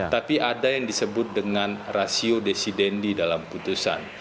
tapi ada yang disebut dengan rasio desidendi dalam putusan